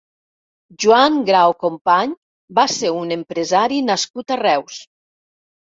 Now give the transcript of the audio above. Joan Grau Company va ser un empresari nascut a Reus.